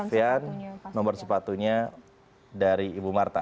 pak sofian nomor sepatunya dari ibu marta